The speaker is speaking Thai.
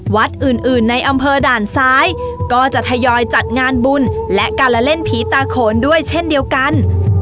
วัดอื่นในอำเภอด่านซ้ายก็จะทยอยจัดงานบุญและการละเล่นผีตาโขนด้วยเช่นเดียวกัน